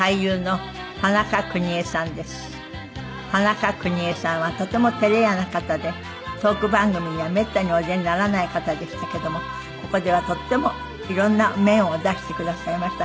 田中邦衛さんはとても照れ屋な方でトーク番組にはめったにお出にならない方でしたけどもここではとっても色んな面を出してくださいました。